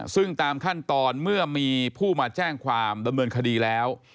ซึ่งตามขั้นตอนเมื่อมีผู้มาแจ้งความดำเนินคดีแล้ว